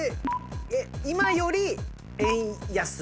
今より円安。